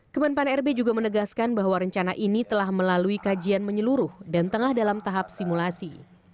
kemenpan rb juga menegaskan bahwa rencana ini telah melalui kajian menyeluruh dan tengah dalam tahap simulasi